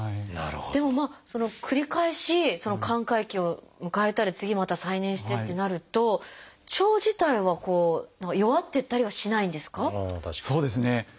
でも繰り返し寛解期を迎えたり次また再燃してってなると腸自体はこう弱ってったりはしないんですか？